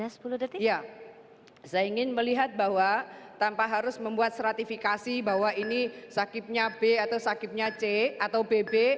saya ingin melihat bahwa tanpa harus membuat stratifikasi bahwa ini sakitnya b atau sakitnya c atau bb